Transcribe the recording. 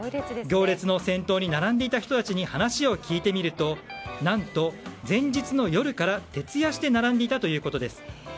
行列の先頭に並んでいた人たちに話を聞いてみると何と、前日の夜から徹夜して並んでいたということです。